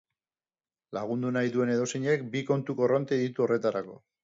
Lagundu nahi duen edozeinek bi kontu korronte ditu horretarako.